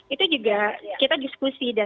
itu juga kita diskusi